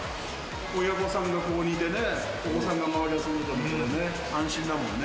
親御さんがここにいてね、お子さんが周りで遊んでてもね、安心だもんね。